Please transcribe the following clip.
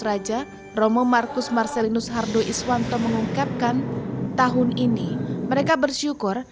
raja romo marcus marcelinus hardo iswanto mengungkapkan tahun ini mereka bersyukur